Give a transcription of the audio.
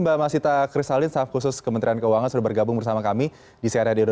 amin semoga terima kasih